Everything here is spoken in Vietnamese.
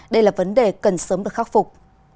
đây là vấn đề cần sớm được khắc phục